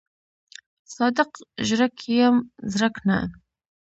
صادق ژړک یم زرک نه.